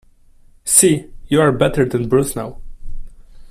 See! You’re better than Bruce now.